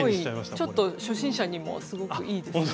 ちょっと初心者にもすごくいいですね。